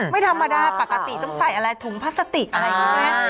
ไม่ธรรมดาปกติต้องใส่อะไรถุงพลาสติกอะไรอย่างนี้